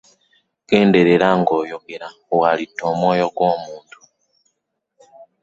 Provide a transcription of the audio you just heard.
Genderera nga oyogera walita omwoyo gwo muntu.